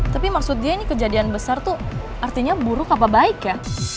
tapi maksud dia ini kejadian besar tuh artinya buruk apa baik ya